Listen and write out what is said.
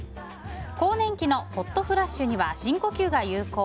更年期のホットフラッシュには深呼吸が有効。